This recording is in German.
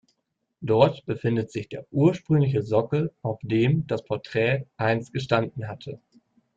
Dort befindet sich der ursprüngliche Sockel, auf dem das Porträt einst gestanden hatte.